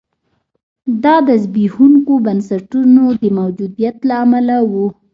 دا د زبېښونکو بنسټونو د موجودیت له امله و.